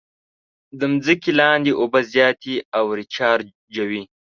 د ځمکې لاندې اوبه زیاتې او ریچارجوي.